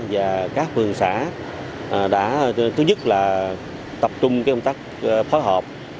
và các vườn xã đã thứ nhất là tập trung công tác phối hợp